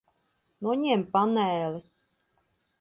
Noņem paneli.